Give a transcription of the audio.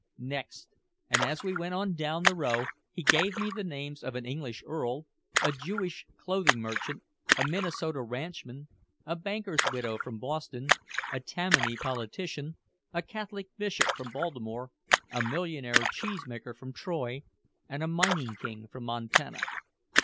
"Next." And as we went on down the row he gave me the names of an English earl, a Jewish clothing merchant, a Minnesota ranchman, a banker's widow from Boston, a Tammany politician, a Catholic bishop from Baltimore, a millionaire cheese maker from Troy and a mining king from Montana.